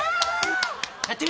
やってみ？